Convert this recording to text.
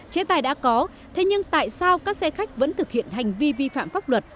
chế tài đã có thế nhưng tại sao các xe khách vẫn thực hiện hành vi vi phạm pháp luật